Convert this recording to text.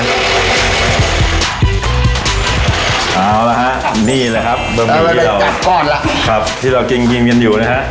เอาละฮะนี่แหละครับส์ก้อนละครับที่เรากินเงียนอยู่นะฮะ